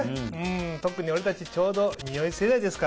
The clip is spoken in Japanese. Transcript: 特に俺たちちょうどにおい世代ですからね。